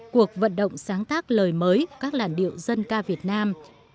cuộc vận động sáng tác lời mới các làn điệu dân ca việt nam